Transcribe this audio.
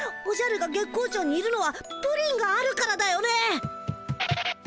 おじゃるが月光町にいるのはプリンがあるからだよね。